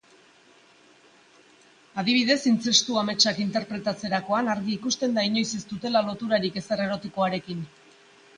Adibidez, intzestu-ametsak interpretatzerakoan argi ikusten da inoiz ez dutela loturarik ezer erotikoarekin.